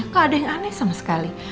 gak ada yang aneh sama sekali